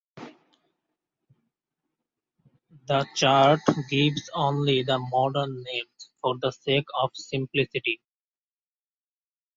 This chart gives only the modern names for the sake of simplicity.